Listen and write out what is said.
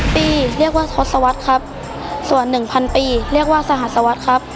ปีเรียกว่าทศวรรษครับส่วน๑๐๐ปีเรียกว่าสหัสวรรษครับ